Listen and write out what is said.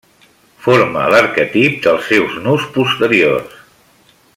Forma l'arquetip dels seus nus posteriors.